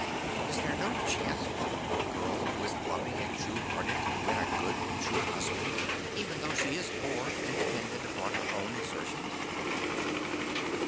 Is there no chance for a poor girl who is loving and true hearted to win a good, true husband even though she is poor and dependent upon her own exertions?"